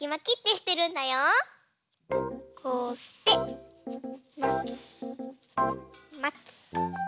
こうしてまきまき。